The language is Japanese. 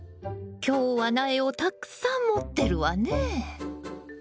今日は苗をたくさん持ってるわねえ。